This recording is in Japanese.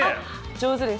上手です。